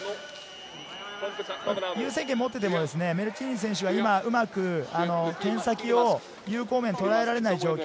優先権を持っていても、メルチーヌ選手は今うまく剣先を有効面をとらえられない状況。